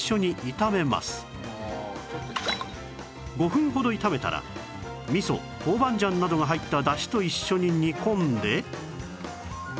５分ほど炒めたら味噌豆板醤などが入っただしと一緒に煮込んで